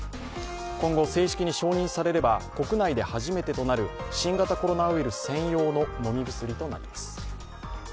今後、正式に承認されれば、国内で初めてとなる新型コロナウイルス専用の飲み薬となります。